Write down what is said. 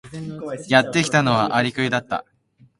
やってきたのはアリクイだった。